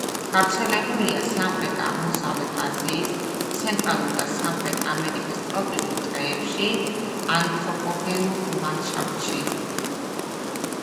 გავრცელებულია სამხრეთ-აღმოსავლეთ აზიის, ცენტრალურ და სამხრეთ ამერიკის ტროპიკულ ტყეებში, ანთროპოგენურ ლანდშაფტში.